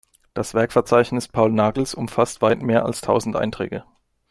Das Werkverzeichnis Paul Nagels umfasst weit mehr als tausend Einträge.